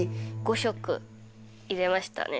５色入れましたね